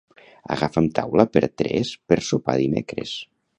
Agafa'm taula per tres per sopar dimecres.